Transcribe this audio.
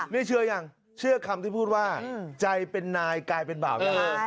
นี่เชื่อยังเชื่อคำที่พูดว่าใจเป็นนายกลายเป็นบ่าวนะฮะ